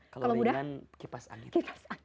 kalau dengan kipas angin